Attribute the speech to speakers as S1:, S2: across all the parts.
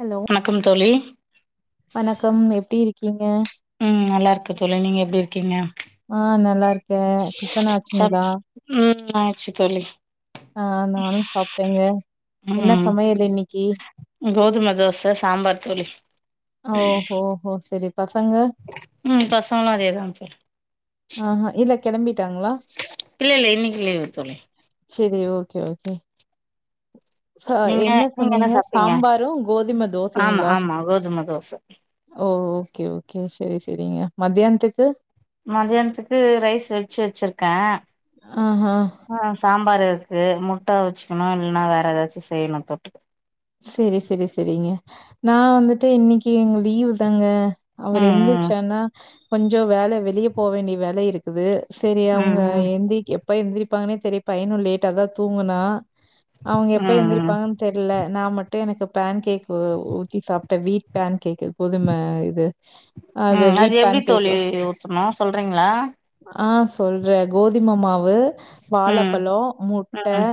S1: Hello
S2: வணக்கம் தோளி [inaudible]
S1: வணக்கம் எப்பிடி இருக்கீங்க
S2: உம் நல்லா இருக்கே தோளி நீங்க எப்பிடி இருக்கீங்க
S1: ஆ நல்லா இருக்கே டிஃபன் ஆச்சுங்களா
S2: அயிருச்சு தோளி
S1: ஆ நானு சாப்பிட்டேங்க என்ன
S2: ம்
S1: சமயல் இன்னிக்கு
S2: கோதும தோச சாம்பார் தோழி
S1: ஓ ஓ ஓ செரி பசங்க
S2: உம் பசங்கல்லா அதேதா [unintelligible]
S1: ஆ ஆ இல்ல கெளம்பி
S2: இல்ல இல்ல இன்னைக்கு லீவு தோளி
S1: செரி ஓக்கே ஓக்கே சோ
S2: நீங்க
S1: என்ன
S2: நீங்க
S1: சொன்னீங்க
S2: சாப்ட்டீங்க
S1: சாம்பாரு கோதும
S2: ஆமா
S1: தோசங்களா
S2: ஆமா கோதும தோச
S1: ஓ ஓக்கே ஓக்கே செரி செரிங்க மத்தியானத்துக்கு
S2: கா
S1: ஆஹா
S2: ஆ சாம்பாரு க்கு முட்ட வச்சுக்கணு இல்லைன்னா வேற ஏதாச்சு செய்யணு தொட்டுக்க
S1: செரி செரி செரிங்க நா வந்துட்டு இன்னைக்கு எங்க லீவ் தாங்க அவரு
S2: ம்
S1: எந்திருச்சாருனா கொஞ்சு வேல வெளியே போ வேண்டிய வேல இருக்குது சேரி
S2: ம்
S1: அவங்க
S2: ம் ம்
S1: எந்திக்க எப் எப்ப எந்திரிப்பாங்கன்னே தெரிய பையனு லேட்டா தா தூங்குனா அவங்க எப்ப
S2: ம் ம்
S1: எந்திரிப்பாங்கன்னு தெரில நா மட்டு எனக்கு பேன் கேக் உத்தி சாப்பிட்டே வீட் பேன் கேக்கு கோதுமே இது அது
S2: ம்
S1: வீட்
S2: எப்டி
S1: பேன்
S2: தோழி
S1: கேக்கு
S2: ஊத்தணு சொல்றீங்களா
S1: ஆ சொல்ற கோதுமே மாவு
S2: ம்
S1: வாழப்பழோ முட்ட
S2: ம்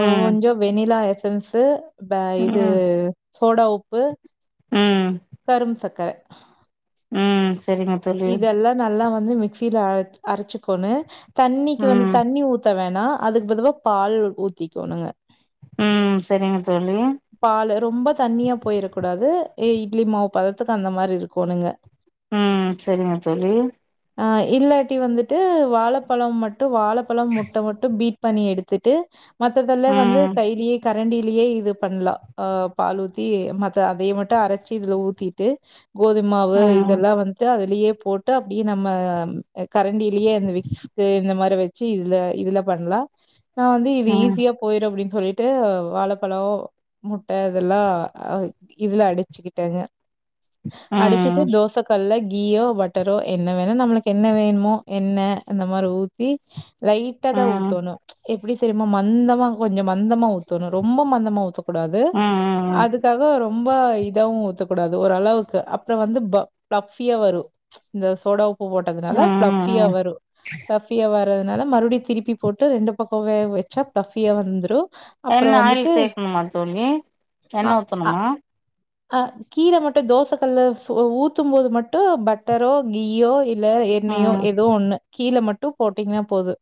S2: ம்
S1: கொஞ்சு வெண்ணிலா எஸ் [inaudible] து ப்ப இது
S2: ம்
S1: சோடா உப்பு கரும்பு சக்கர
S2: உம்
S1: இதெல்லா நல்லா வந் வந்து மிக்சில அர அரச்சுக்கொனு தண்ணிக்கு வந்து
S2: ம்
S1: தண்ணி ஊத்த வே ணா அதுக் பதுவா பால் ஊத்திக்கோனுங்க
S2: ம் சரிங்க தோழி
S1: பாலு ரொம்ப தண்ணியா போய்ரக்கூடாது ஏ இட்லி மாவு பதத்துக் அந்த மாறி இருக்கோனுங்க
S2: உம் சரிங்க தோழி
S1: அ இல்லாட்டி வந்துட்டு வாழப்பழம் மட் டு வாழப்பழம் முட்ட மட்டு பீட் பனி எடுத்துட்டு மத்ததெல்லா வந்து
S2: ம்
S1: கைலியே க ரண்டிலியே இது பண்லா அஹ் பால் ஊத்தி மத்த அதையு மட்டு அரச்சி இதுல ஊத்திட்டு கோதும்மாவு
S2: ம்
S1: இதல்லா வந்து அதுலயே போட்டு அப்டி நம்ம கரண்டிலியே அ விக்ஸ்கு இந்த மாறி வச்சு இதுல இதுல பண்லா நா வந்து இது
S2: ம்
S1: ஈசியா போய்ரு அப்டின்னு சொல்லிட்டு வாழப்பழோ முட்ட இதல்லா இதுல அடிச்சுக்கிட்டேங்க அடிச்சிட்டு
S2: ம்
S1: தோசக்கல்லைக் கீயோ பட்டரோ எண்ண வேணா நம்மளுக்கு என்ன வேணுமோ எண்ண இந்த மாறி ஊத்தி லைட்டாதா
S2: ம்
S1: ஊத்தோனு எப்டி தெரிமா மந்தமா கொஞ்சோ மந்தமா ஊத்தனு ரொம்ப மந்தமா ஊத்த கூடாது
S2: ம்
S1: அதுக்காக ரொ ம்ப இதாவு ஊத்தக் கூடாது ஓரளவுக் அப்றோ வந்து ப ஃபிள ஃபியா வரூ இந்த சோடா உப் பு போட்டதுனால ஃப்ளஃபியா
S2: ம்
S1: வரூ ஃப்ளஃபியா வ னால மறுடியு திருப்பி போட்டு ரெண்டு பக்கோ வேவச்சா ஃப்ளஃபியா வந்ரூ
S2: எண்ண ஆயில் சேக்னுமா தோழி எண்ண ஊத்தனுமா
S1: அஹ் கீர மட்டு தோசக்கல்ல ஊத்தும் போது மட் டு பட்டரோ கீயோ இ ல்ல எண்ணயோ
S2: ம்
S1: எதோ ஒன்னு கீழ மட் டு போட்டீங்னா போது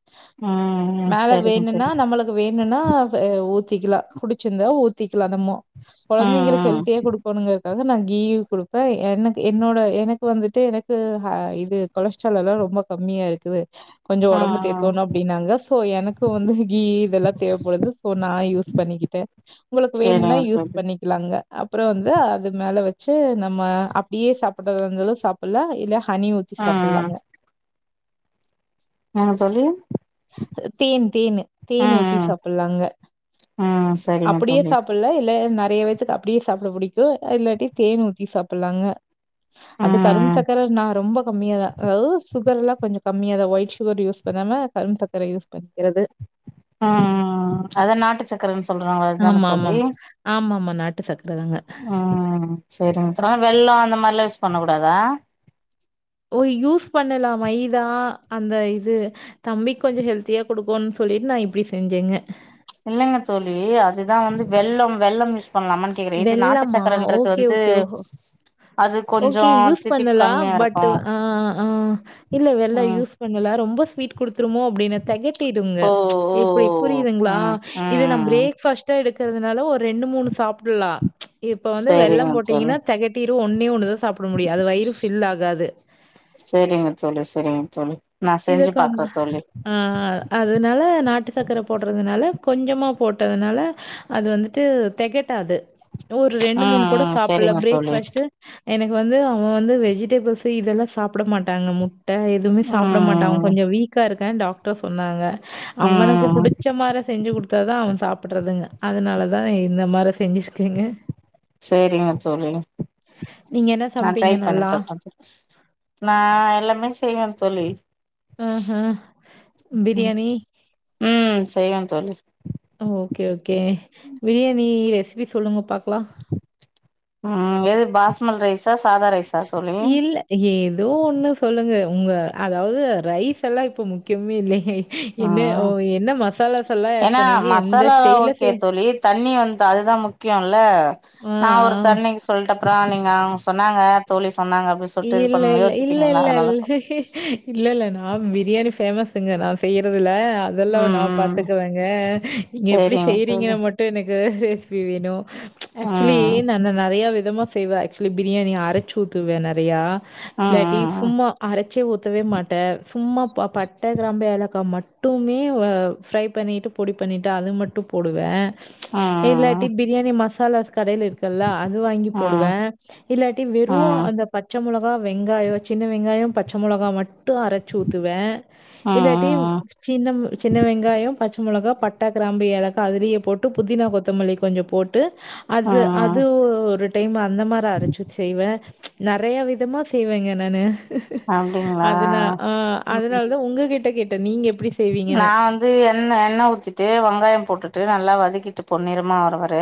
S2: ம் ம்
S1: மேல
S2: சரிங்க
S1: வேணுனா
S2: தோழி
S1: நம்மளுக்கு வேணுனா ஊத் ஊத்திக்லா புடிச்சிந்தா ஊத்திக்லா நம்மோ
S2: ம்
S1: கொழந்தைங்களுக்
S2: ம்
S1: ஹெல்தியா குடுக்கனுங்க க்காக நான் கீயு கொடுப்பேன் எனக்கு என்னோட எனக்கு இப்போ வந்துட்டு எனக்கு ஹ இது கொலஸ்ட்ரால் எல்லாம் ரொம்ப கம்மியாக இருக்குது கொஞ்சம்
S2: ம்
S1: உடம்பு
S2: ம்
S1: தேத்துணும் அப்படின்னாங்க சோ எனக்கு வந்து கீ இதெல்லாம் தேவைப்படுது சோ நான் யூஸ் பண்ணிக்கிட்டேன் உங்களுக்கு
S2: சரிங்க
S1: வேணும்னா யூஸ்
S2: தோழி
S1: பண்ணிக்கலாங்க அப்புறம் வந்து அது மேல வச் சு நம்ம அப்படியே சாப்படுறது இருந்தாலும் சாப்லா இல்ல ஹனி ஊத்தி சாப்பில்லாங்க
S2: உம் சொல்லு
S1: தேன் தேனு தேனு ஊத்தி
S2: ம்
S1: சாப்பில்லாங்க
S2: ம் ம் சரிங்க
S1: அப்டியே
S2: தோழி
S1: சாப்பில்லா இல்ல ந நெறைய வேத்துக்கு அப்டியே சாப்ட புடிக்கு இல்லாட்டி தேன் ஊத்தி சாப்பில்லாங்க அது கரும்பு
S2: ம் ம்
S1: சக்கர நா ரொம்ப கம்மியா தா அதாவ் சுகர் எல்லா கொஞ்ச கொம்மியாதா ஒயிட் சுகர் யூஸ் பண்ணாம கரும்ப் சர்க்கர யூஸ் பண்ணிக்கிறது
S2: அ அ அ அ அ அதா நாட்டு சக்கரன்
S1: ஆமா ஆம ஆமா ஆம நாட்டு சக்
S2: ம் செரி [unintelligible] வெள்ளோ அந்த மாரி யூஸ் பண்ணக்கூடாதா
S1: ஓ யூஸ் பண்ணலா மைதா அந்த இது தம்பிக் கொஞ்சோ ஹெல்த்தியா குடுக்கும்னு சொல்லிட்டு நா இப்டி செஞ்சேங்க
S2: ச்ச் இல்லங்க தோழி அதுதா வந்து வெள்ளம் வெள்ளம் யூஷ்
S1: வெள்ளமா ஓகே ஓகே ஒ ஒ
S2: அது கொஞ்சோ
S1: ஓகே யுஸ்
S2: தித்திப்பு
S1: பண்ணலா
S2: கம்மியா
S1: பட்
S2: இருக்கு
S1: அ ஆ அ இல்ல வெள்ளோ
S2: ம்
S1: யூஸ் பண்ணலா ரொம்ப ஸ்வீட் த்ருமோ அப்டின்னு தெகட்டிடுங்க
S2: ஓ
S1: ம்ச்
S2: ஓ
S1: எப்டி புரியுதுங்களா
S2: ம்
S1: இத
S2: ம்
S1: நம்
S2: ம்
S1: ப்ரேக் பாஸ்ட எடுக்க ற்துனால ஒரு ரெண்டு மூணு சாப் ஃபுல்லா ச்ச் இப்ப வந்து வெள்ள
S2: சரிங்க தோழி
S1: போட்டீங்கன்னா தெகட்டி [unintelligible] ஒன்னே ஒன்னுதா சாப்பிட முடியு அது வயிறு ஃபில் ஆகாது
S2: சரிங்க தோழி சரிங்க தோழி நா செஞ்சு பாக்குறே தோழி
S1: [unintelligible] அ அதனால நாட்டு சக்கர போடுறதுனால கொஞ்சமா போட்டதுனால அது வந்துட்டு தெகட்டாது ஒரு ரெண்டு மூணு
S2: ம்
S1: கூட
S2: ம்
S1: சாப்பில்ல
S2: சரிங்க தோழி
S1: ப்ரேக்ஃபஸ்ட்டு எனக்கு வந்து அவ வந்து வெஜிடபிள்ஸ் இதெல்லா சாப்பிட மாட்டாங்க முட் ட எதுமே சாப் அவ
S2: ம்
S1: கொஞ்சோ வீக்கா இருக்கா டாக்டர் சொன்னாங்க அவனுக்கு
S2: ம்
S1: புடிச்ச மாரி செஞ்சு குடுத்தாதா அவ சாப்பட்ருதுங்க அதனாலதா இந்த மாரி செஞ்சி [unintelligible] ங்க
S2: செரிங்க தோழி
S1: நீங்க என்ன
S2: நா
S1: சமைப்பீங்க
S2: டஃரைப் பண்ணி
S1: நல்லா?
S2: பாக்ற நா எல்லாமே செய்வே தோழி
S1: அ அ பிரியாணி
S2: செய்வே தோழி
S1: okay okay biryani recipe சொல்லுங்க பா
S2: உம் வேதுப் பாஸ்மல் ரைசா சாதா ரைஸ்
S1: இல்ல ஏதோ ஒண்ணு சொல்லுங்க உங்க அதாவது ரைஸ்ல்லாம் இப்போ முக்கியமே இல்லை
S2: ம்
S1: எல்லாம் ஆட்
S2: ஏன்னா
S1: பண்ணுவீங்க? எந்த
S2: மசாலா
S1: ஸ்டைல்ல
S2: ஓகே
S1: செய்
S2: தோழி தண்ணி வந்து அதுதா முக்கியல்ல
S1: ஆ,
S2: நா ஒரு
S1: ஆ.
S2: தண்ணிக்கு சொல்லிட்டப்பறம் நீங்க அவங்க சொன்னாங்க தோழி சொன்னாங்க அப்டி சொல்ட்டு இது
S1: இல்ல
S2: பண்ண
S1: இல்ல இல்ல
S2: யோசிப்பீங்கல்ல
S1: இல்ல
S2: அதனால சொ
S1: இல்ல இல்லல்ல நா பிரியாணி பேமஸ் ங்க நா செய்யறது இல்ல
S2: ம்
S1: அதெல்லாம் நா
S2: ம்
S1: பாத்துக்கவேங்க நீங்க எப்படி
S2: சேரிங்க தோழி
S1: செய்யறீங்கன்னு மட்டு எனக்கு ரெசிபி வேணு ஆக்சுவலி
S2: ம்
S1: நா நெறைய போ செய்வே ஆக்சுவலி பிரியாணி அரைச்சு ஊத்துவே நல் றையா
S2: ம்
S1: இல்லாட்டி
S2: ம்
S1: சும்மா அரைச்சே ஊத்தவே மாட்டே சும்மாபாப் பட்ட கிராம்பு ஏலாக்கா மட் ட்டுமே ஃப்ரை பண்ணிட்டு பொடி பண்ணிட்டு அது மட்டு போடுவே இல்லாட்டி
S2: ம்
S1: பிரியாணி மஸ் சலாஸ் கடையில் இருக்குல்ல அது வாங்கி
S2: ம்
S1: போடுவே இல்லாட்டி
S2: ம்
S1: வெறு
S2: ம்
S1: அந்தப் பச்ச மொளகா வெங்காயம் சின்ன வெங்காயம் பச்ச மொளகா மட் டு அரைச்சு ஊத்துவே
S2: ம் ம் ம்
S1: இல்லாட்டி
S2: ம்
S1: சின்ன சின்ன வெங்காயம் பச்ச மொளகா பட்டா கிராம்பு ஏலகா அதிலே போட்டு புதினா கொத்தமல்லி கொஞ்சம் போட் டு
S2: ம்
S1: அது
S2: ம்
S1: அது ஒரு டைம் அந்த மாரி அரைச்சு செய்வே நெறையா விதமா செய்வேங்க நானு
S2: அப்டிங்களா
S1: அதனா ஆ
S2: ம்
S1: அதனால தா உங்ககிட்ட கேட்
S2: நா வந்து எண்ண எண்ணெ ஊத்திட்டு வெங்காயம் போட்டுட் ட்டு நல்லா வதக்கிட்டு பொண்ணிருமா வர வர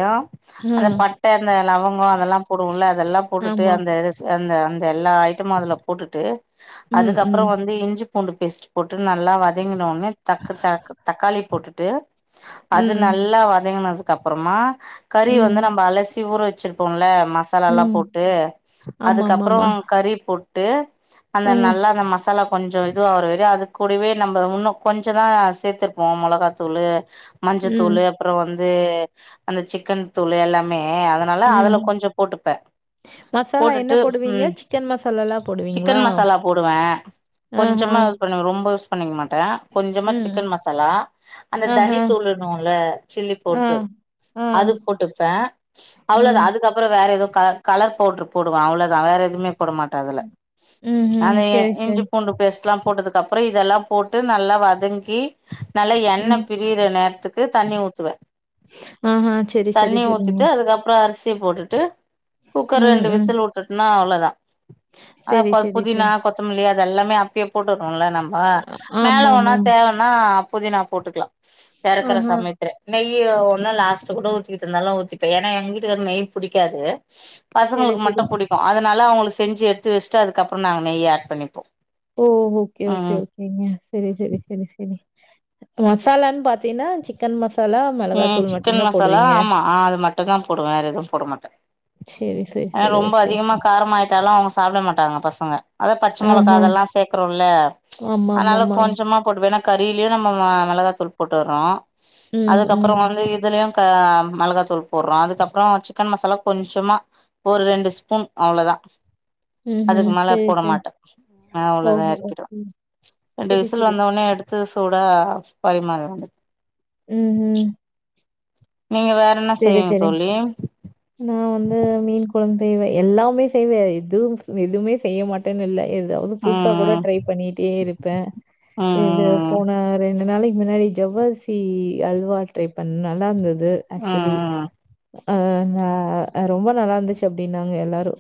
S2: அந்த
S1: ம்.
S2: பட்டை அந்த லவங்கம் அதெல்லாம் போடுவோல அதெல்லாம் போட்டுட்டு
S1: ஆமா.
S2: அந்த அந்த இந்த எல்லா ஐட்டமும் அதுல போட்டுட்டு
S1: ம், ம்,
S2: அதுக்கப்புறம் வந்து இஞ்சி பூண்டு பேஸ்ட் போட்டு நல்லா வ வதங்கின ஒன்னே தக்கு தக்காளி போட்டுட்டு அது
S1: ம்,
S2: நல்லா வதங்கனுதும் அதுக்கப்புறமா கறி வந்து
S1: ம்,
S2: நம்ம அலசி ஊற வெச் வச்சிருப்போம்ல மசாலா எல்லா
S1: ம்.
S2: போட்டு அதுக்கப்புறோ
S1: ஆமாமாமா.
S2: கறி போட் ட்டு அந்த
S1: ம்,
S2: நல்லா அந்த மசாலா கொஞ்சோ இதுவா வரை அது கூடவே நம்ம இன்னும் கொஞ்சதான்க சேத்திருப்போம் மொளகாத்தூளு
S1: ம்,
S2: மஞ்சத்தூளு அப்புறோ வந் ந்து அந்த சிக்கன் தூள் எல்லாமே ஆ அதனால அதுல
S1: ம்.
S2: கொஞ்சோ போட்டுப்பேன் ச்சு
S1: மசாலா என்ன
S2: போட்டுட்டு
S1: போடுவீங்க
S2: ம்
S1: சிக்கன் மசாலாலா போடுவீங்களா
S2: சிக்கன் மசாலா போடுவேன்
S1: ஆஹா
S2: கொஞ்சமா யூஸ் பண்ணுவேன் ரொம்ப யூஸ் பண்ணிக்க மாட்டேன் கொஞ்சமாக
S1: ம்
S2: சிக்கன் மசாலா அந்த
S1: ஆஹா
S2: தனித்தூள்னோல சில்லி
S1: ஆ
S2: பவுட்ரு
S1: ஆ
S2: அது போட்டுப்பேன் அவ்ளோ
S1: ம்
S2: தான் அதுக்கப்பறோ வேற எதும் கலர் கலர் பவுடர் போடுவேன் அவ்ளோதான் வேற எதுமே போட மாட்டேன்‌ அதுல
S1: ம் ம்
S2: அந்த
S1: சேரி
S2: இஞ்சி
S1: சேரி
S2: பூண்டு பேஸ்ட் ல்லா போட்டதுக்கப்புறோ இதெல்லா போட்டு நல்லா வதங்கி நல்லா
S1: ம்
S2: எண்ணெய் பிரியற நேரத்துக்கு க்கு தண்ணி ஊத்துவேன்
S1: ஆஹா செரி செரி
S2: தண்ணி
S1: செரிங்க
S2: ஊத்திட்டு அதுக்கப்புறோ அரிசி ரிசி போட்டுட்டு குக்கர்
S1: ம்
S2: ரெண்டு
S1: ம்
S2: விசல் விட்டுட்டனா அவ்ளோ தான் அத
S1: செரி
S2: கொ
S1: செரி
S2: புதினா
S1: செரி
S2: கொத்தமல்லி இது எல்லாமே அப்டியே போட்டு இவங்களா நம்ப மேல
S1: ஆமா
S2: வேணா
S1: ஆமா ஆமா
S2: தேவைன்னா ஆ புதினா போட்டுக்லா ச்சு தெரக்கர
S1: ஆஹா
S2: சமயத்துல நெய்யோனா லாஸ்ட் கூட ஊத்திகிட்டருந்தாலு ஊத்திப்ப ஏனா எங்க வீட்டுக்கார்க்கு நெய் புடிக்காது ஸ்
S1: செரி
S2: பசங்களுக்கு
S1: செரி
S2: மட்டும் புடிக்கும் அது நலா அவுங்ளுக் செஞ்சு எடுத்து வஸ்ட்டு அதுக்கப்பரோ நாங்க நெய் ஆட்பண்ணிப்போ
S1: ஓ ஓகே ஓகே ஓகே யா செரி செரி செரி சேரி மசாலான் பாத் தினா சிக்கன் மஸ்
S2: ம் சிக்கன் மசாலா ஆமா ஆ அது மட்டுதா போடுவ வேற எதுவு போட மாட்ட
S1: செரி செரி
S2: ஏனா
S1: செரி
S2: ரொம்ப
S1: ஓகே
S2: அதிகமா
S1: ஓகே
S2: காரமாயிட்டாலு அவ ஸ்கூ சாப்ட மாட்டாங்க பசங்க அதான் பச்ச மிளகா
S1: ஆஹா
S2: இதெல்லாம் சேக்கூறோம்ல
S1: ஆமா ஆமா
S2: அதுனால
S1: ஆமா
S2: கொஞ்சமா போடுவேன் ஏனா கறிலியு நம்ம மிளகாத்தூள் போட்டுகுறோ
S1: ம்
S2: அதுக்கப்றோ
S1: ம்
S2: வந்து இதலயு தா மிளகாத்தூள் போட்றோ அதுக்கப்றோ சிக்கன் மசாலா கொஞ்சமா ஒரு ரெண்டு ஸ்பூன் அவ்ளோதா
S1: ம்ஹ்ம்
S2: அதுக்கு மேல
S1: செரி
S2: போட
S1: செரி
S2: மாட்ட அ
S1: ஓ
S2: அவ்ளோதா இரக்கடுவே
S1: ஓகே
S2: ரெண்டு
S1: செரி
S2: விசில்
S1: செரி செரி
S2: வந்தோன எடுத்து கூட பரிமாற
S1: ம் ம்
S2: நீங்க வேற என்ன செய்விங்க தோழி
S1: கொழந்தைவே செய்வே எல்லாமே செய்வே எது எதுவுமே செய்ய மாட்டேனு இல்ல எதாவது புதுசா கூட
S2: ம்
S1: ட்ரை பண்ணிட்டே இருப்ப
S2: ம் ம்
S1: இது
S2: ம்
S1: போன ரெண்டு நாளக் முன்னாடி ஜவ்வரிசி அல்வா ட்ரை பண்ண நல்லா இருந்துது
S2: ம்
S1: ஆச்வலி
S2: ம் ம்
S1: ஆ ஆ நா ரொம்ப நல்லாருந்துச்சு அப்டின்னாங்க எல்லாரு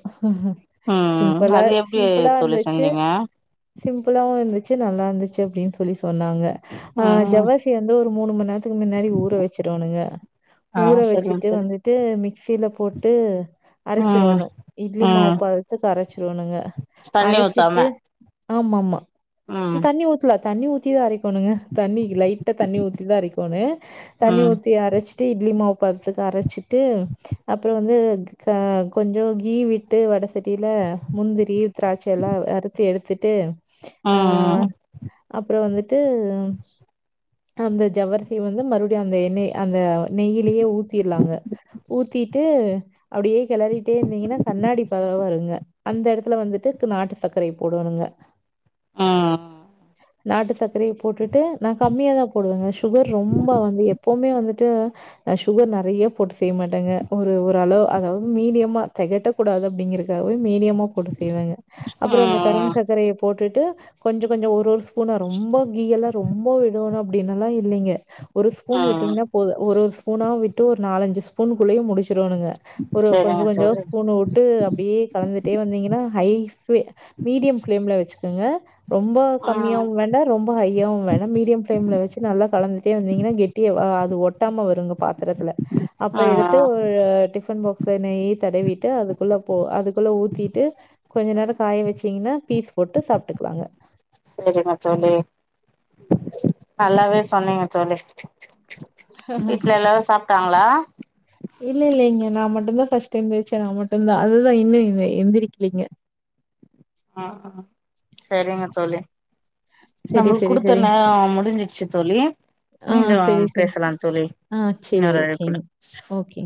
S2: ம்
S1: சிம்பளா
S2: அது எப்டி
S1: சிம்பளா
S2: தோழி
S1: இருந்துச்சு
S2: செஞ்சீங்க
S1: சிம்பளாவும் இருந்து ச்சு நல்லா இருந்துச்சு அப்டினு சொல்லி சொன்னாங்க ஆ
S2: ம்
S1: ஜவ்வரிசி வந்து ஒ மூனுமன் நே ரத்துக்கு முன்னாடி ஊற வச்சிறுவனுங்க
S2: ஆ
S1: ஊற
S2: சரிங்க
S1: வச்சுட்டு
S2: தோழி
S1: வந்துட்டு மிக்சில போட்டு
S2: ம்
S1: அரைச்சிருவணு இட்லி மாவு
S2: ம்
S1: பதத்துக்கு அரைச்சிருவணுங்க
S2: தண்ணி
S1: அரச்சிட்டு
S2: ஊத்தாம
S1: ஆம ஆமா
S2: ம்
S1: தண்ணி ஊத்ல தண்ணி ஊத்திதா அரை ணுக தண்ணி லைட்டா தண்ணி ஊத்திதா அரைக்கோனு தண்ணி
S2: ம்
S1: ஊத்தி அரச்சிட்டு இ ட்லி மாவ் பதத்துக்கு அரச்சிட்டு அப்றோ வந்து க கொஞ்சோ கீ விட்டு வடை சட்டில முந்திரி திராட்ச எல்லா வறுத்து எடுத்துட்டு
S2: ம்
S1: அஹ்
S2: ம்
S1: அப்றோ வந்து த்து அந்த ஜவ்வரிசி வந்து மறுபடியு அந்த எண்ணெய் அந்த நெய்யிலியே ஊத்திறலாங்க ஊத்திட்டு அப்டியே கெளறிட்டே இருந்தீங்கன்னா கண்ணாடி பத வருங்க அந்த எடத்துல வந்துட்டு நாட்டு சக்கரைய போடோணுங்க
S2: ஆ ஆ
S1: நாட்டு சக்கரைய போட்டுட்டு நா கம்மியாதா போடுவங்க ஷுகர் ரொம்ப வந்து எப்பவுமே வந்துட்டு நா ஷுகர் நெறைய போட்டு செய்ய மாட்டேங்க ஒரு ஒரு அளவ் அதாது மீடியமா தெகட்டக் கூடாது அப்டிங்கறக்காகவே மீடியமா போட்டு செய்வங்க அப்றோ அந்த கரும்பு சக்கரைய போட்டுட்டு கொஞ்சோ கொஞ்சோ ஒரு ஒரு ஸ் போனா ரொம்ப கீயெல்லா ரொம்ப விடுவனா அப்டின்னல்லா இல்லீங்க ஒரு ஸ்பூன்
S2: ம்
S1: விட்டீங்கன்னா போது ஒரு ஒரு ஸ்பூனா விட்டு ஒரு நாலஞ்சு ஸ்பூனுக்குள்ளயே முடுச் ட்றோனுக ஒரு
S2: சரிங்க
S1: கொஞ்சோ கொஞ்சோ
S2: தோழி
S1: ஸ்பூன்வுட்டு அப்டியே கலந்துடே வந்தீங்கனா ஹை ஃபே மீடியம் ஃப்லேம்ல வச்சுகங்க ரொம்ப
S2: ம்
S1: கம்மியாவு வேண்டா ரொம்ப ஹையாவு வேணா மீடியம் ஃப்லேம்ல வச்சு நல்லா கலந்துட்டே வந்திங்கனா கெட்டியாவா ஆ ஒட்டாம வரு பாத்தரத்துல அப்ப எடுத்து
S2: ம்
S1: ஆ டிஃபன் பாக்ஸ் இப்ப நெய்யி தடவிட்டு அதுக்குள்ள போ அதுக்குள்ள ஊத்திட்டு கொஞ்ச நேர காய வச்சீங்கன்னா பீஸ் போட்டு சாப்ட்டுக்கலாங்க
S2: செரிங்க தோழி நல்லாவே சொன்னீங்க தோழி வீட்ல எல்லாரு சாப் க்காங்களா
S1: இல்ல இல்லைங்க நா மட்டு தா ஃபஸ்ட் எந்திருச்சே நா மட்டு தா அதுதா இன்னு எந் எந்திரிக்லீங்க
S2: ஆ ஆ செரிங்க தோழி
S1: சரி,
S2: நம்மளுக்கு
S1: சரி,
S2: குடுத்த
S1: சரி.
S2: நேரோ முடிஞ்சிச்சு தோழி
S1: ஆ
S2: மீண்டு
S1: சரி, சரி.
S2: பேசலா தோழி
S1: ஆ சரி,
S2: இன்னொரு அழைப்புல
S1: ஓகேங்க. ஓகே.